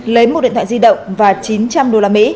lấy một điện thoại di động và chín trăm linh usd